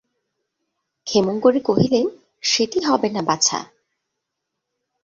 ক্ষেমংকরী কহিলেন, সেটি হবে না বাছা!